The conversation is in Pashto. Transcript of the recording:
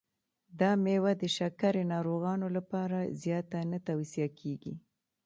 دا مېوه د شکرې ناروغانو لپاره زیاته نه توصیه کېږي.